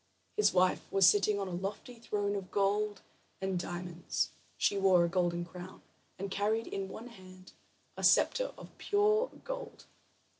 His wife was sitting on a lofty throne of gold and diamonds; she wore a golden crown, and carried in one hand a scepter of pure gold.